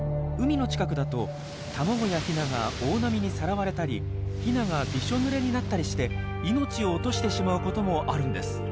海の近くだと卵やヒナが大波にさらわれたりヒナがびしょぬれになったりして命を落としてしまうこともあるんです。